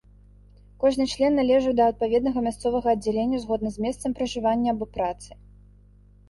Кожны член належаў да адпаведнага мясцовага аддзялення згодна з месцам пражывання, або працы.